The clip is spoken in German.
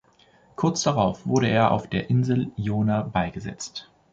Kurz darauf wurde er auf der Insel Iona beigesetzt.